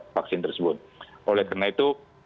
vaksin tersebut oleh karena itu